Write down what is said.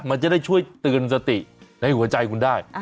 มันจะได้ช่วยเตือนสติในหัวใจคุณได้